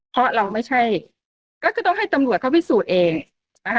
เพราะเราไม่ใช่ก็คือต้องให้ตำรวจเขาพิสูจน์เองนะคะ